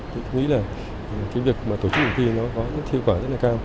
tôi nghĩ là cái việc mà tổ chức thực thi nó có những thiết quả rất là cao